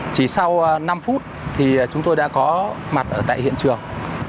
chỉ sau năm phút thì chúng tôi đã có mặt ở tại hiện trường